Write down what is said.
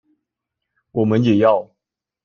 我們也要